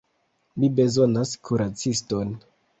Mi bezonas kuraciston.